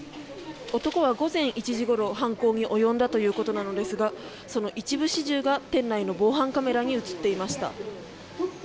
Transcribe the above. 男は午前１時ごろ、犯行に及んだということなのですがその一部始終が、店内の防犯カメラに映っていました。